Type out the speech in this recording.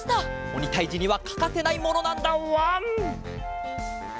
おにたいじにはかかせないものなんだわん！